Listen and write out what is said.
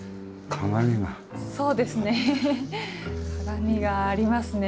そうですね。